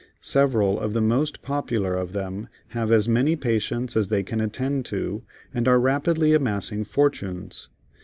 Several of the most popular of them have as many patients as they can attend to, and are rapidly amassing fortunes.